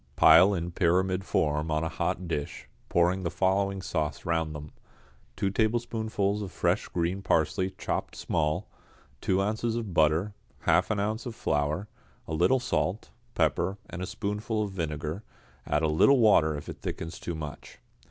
Pile in pyramid form on a hot dish, pouring the following sauce round them: two tablespoonsful of fresh green parsley chopped small, two ounces of butter, half an ounce of flour, a little salt, pepper, and a spoonful of vinegar; add a little water if it thickens too much.